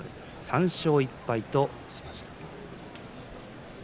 ３勝１敗としました。